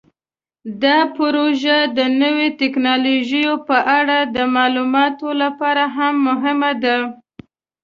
دا پروژه د نوو تکنالوژیو په اړه د معلوماتو لپاره هم مهمه ده.